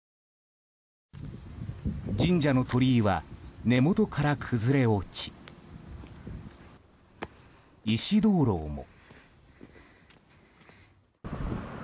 神社の鳥居は根元から崩れ落ち石灯籠も。